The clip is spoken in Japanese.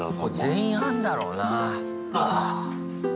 全員あんだろうな。